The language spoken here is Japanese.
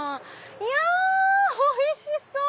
いやおいしそう！